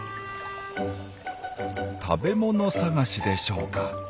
食べ物探しでしょうか？